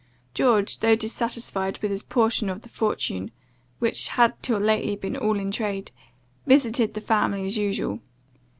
George, though dissatisfied with his portion of the fortune, which had till lately been all in trade, visited the family as usual.